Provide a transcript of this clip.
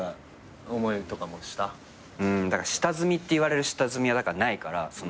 だから下積みっていわれる下積みはないから。